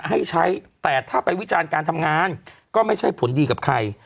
ให้ใช้แต่ถ้าไปวิจารณ์การทำงานก็ไม่ใช่ผลดีกับใคร